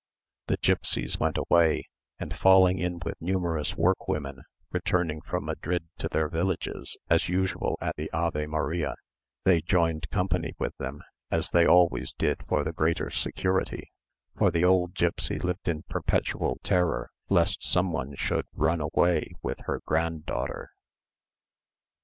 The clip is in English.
The gipsies went away, and falling in with numerous workwomen returning from Madrid to their villages as usual at the Ave Maria, they joined company with them, as they always did for the greater security; for the old gipsy lived in perpetual terror lest some one should run away with her granddaughter.